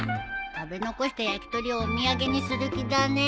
食べ残した焼き鳥をお土産にする気だね。